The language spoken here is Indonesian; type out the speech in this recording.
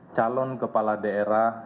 calon kepala daerah